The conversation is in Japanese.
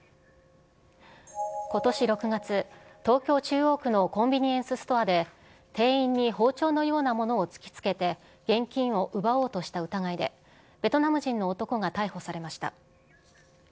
ことし６月、東京・中央区のコンビニエンスストアで店員に包丁のようなものを突きつけて、現金を奪おうとした疑いで、ベトナム人の男が逮捕されました。